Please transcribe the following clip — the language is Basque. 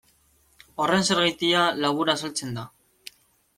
Horren zergatia labur azaltzen da.